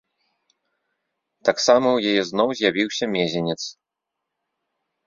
Таксама ў яе зноў з'явіўся мезенец.